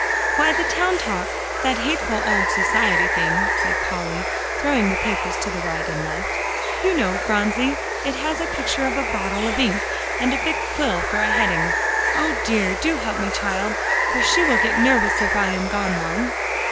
"Why, the Town Talk that hateful old society thing," said Polly, throwing the papers to right and left. "You know, Phronsie; it has a picture of a bottle of ink, and a big quill for a heading. O dear! do help me, child, for she will get nervous if I am gone long."